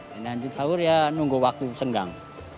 menganjur sahur ya nunggu waktu senggang